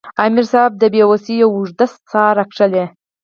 امیر صېب د بې وسۍ یوه اوږده ساه راښکله